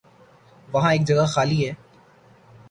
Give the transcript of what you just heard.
وہاں ایک جگہ خالی ہے۔